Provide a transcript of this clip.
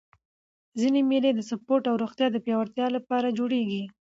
ځيني مېلې د سپورټ او روغتیا د پیاوړتیا له پاره جوړېږي.